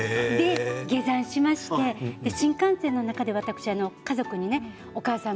下山しまして新幹線の中で家族にお母さん